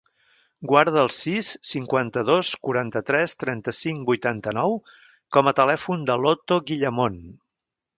Guarda el sis, cinquanta-dos, quaranta-tres, trenta-cinc, vuitanta-nou com a telèfon de l'Oto Guillamon.